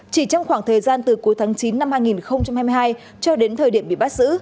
chỉ trong khoảng thời gian từ cuối tháng chín năm hai nghìn hai mươi hai cho đến thời điểm bị bắt giữ